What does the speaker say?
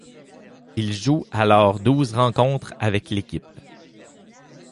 Il joue alors douze rencontres avec l'équipe.